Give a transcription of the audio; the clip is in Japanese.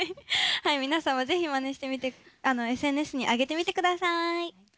はい皆さんも是非まねしてみてＳＮＳに上げてみてください。